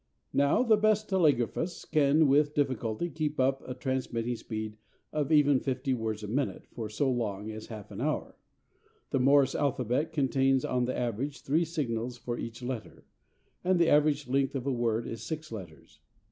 Now, the best telegraphists can with difficulty keep up a transmitting speed of even fifty words a minute for so long as half an hour. The Morse alphabet contains on the average three signals for each letter, and the average length of a word is six letters.